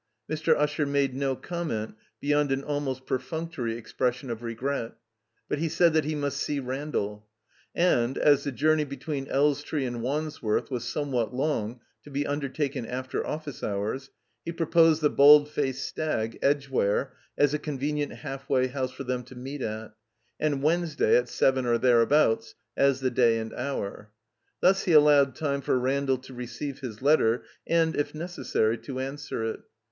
Mr. Usher made no comment beyond an almost perfunctory expression of regret. But he said that he must see Randall. And, as the journey between Elstree and Wandsworth was somewhat long to be undertaken after office hours, he proposed the * 'Bald Faced Stag," Edgware, as a convenient halfway house for them to meet at, and Wednesday, at seven or thereabouts,' as the day and hour. Thus he al lowed time for Randall to receive his letter and, if necessary, to answer it.